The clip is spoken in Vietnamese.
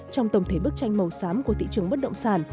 trong tổng thể bức tranh màu xám của thị trường bất động sản